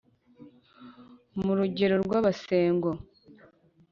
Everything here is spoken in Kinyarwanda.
Mu rugero rw'abasengo